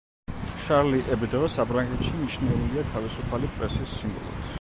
შარლი ებდო საფრანგეთში მიჩნეულია თავისუფალი პრესის სიმბოლოდ.